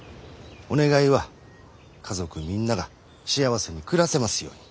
お願いは家族みんなが幸せに暮らせますように。